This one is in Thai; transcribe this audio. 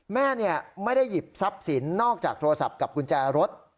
แม่ไม่ได้หยิบทรัพย์สินนอกจากโทรศัพท์กับกุญแจรถ